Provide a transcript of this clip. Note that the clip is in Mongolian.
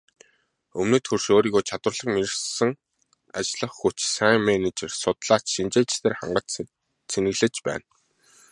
Өмнөд хөрш өөрийгөө чадварлаг мэргэшсэн ажиллах хүч, сайн менежер, судлаач, шинжээчдээр хангаж цэнэглэж байна.